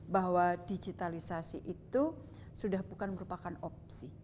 bahwa digitalisasi itu sudah bukan merupakan opsi